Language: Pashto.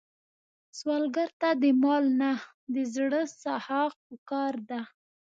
سوالګر ته د مال نه، د زړه سخا پکار ده